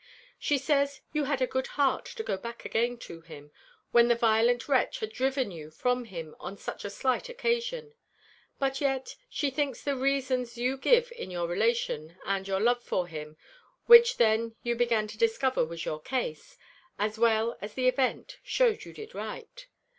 She says, you had a good heart to go back again to him, when the violent wretch had driven you from him on such a slight occasion: but yet, she thinks the reasons you give in your relation, and your love for him (which then you began to discover was your case), as well as the event, shewed you did right.